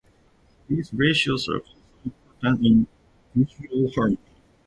These ratios are also important in visual harmony.